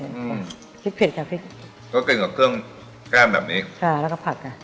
อืมพริกเผ็ดค่ะพริกก็กลิ่นกับเครื่องแก้มแบบนี้ใช่แล้วก็ผักอ่ะ